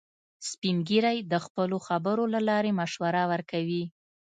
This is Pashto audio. سپین ږیری د خپلو خبرو له لارې مشوره ورکوي